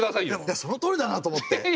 いやそのとおりだなと思って。